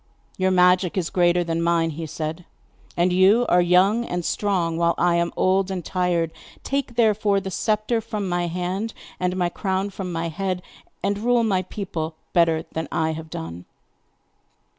'Your magic is greater than mine,' he said; 'and you are young and strong, while I am old and tired. Take, therefore, the sceptre from my hand, and my crown from my head, and rule my people better than I have done.